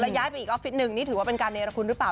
ย้ายไปอีกออฟฟิศหนึ่งนี่ถือว่าเป็นการเนรคุณหรือเปล่า